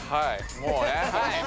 もうね。